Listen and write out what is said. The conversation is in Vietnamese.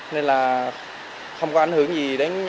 nên là không có ảnh hưởng gì đến hai vợ chồng và con